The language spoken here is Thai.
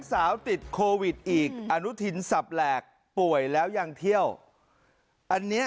สาวติดโควิดอีกอนุทินสับแหลกป่วยแล้วยังเที่ยวอันนี้